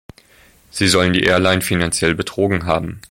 Sie sollen die Airline finanziell betrogen haben.